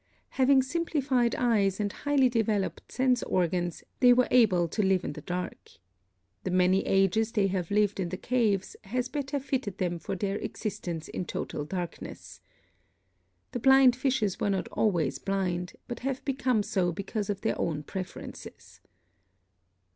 Having simplified eyes and highly developed sense organs, they were able to live in the dark. The many ages they have lived in the caves has better fitted them for their existence in total darkness. The Blind Fishes were not always blind, but have become so because of their own preferences.